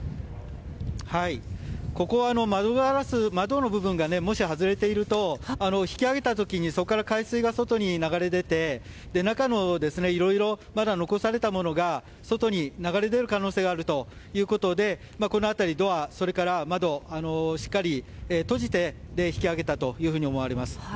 ここは窓の部分がもし外れていると引き揚げた時にそこから海水が外に流れ出て中のいろいろまだ残されたものが外に流れ出る可能性があるということでこの辺りドア、それから窓しっかり閉じて引き揚げたというふうに思われます。